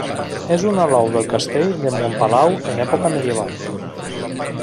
És un alou del castell de Montpalau en època medieval.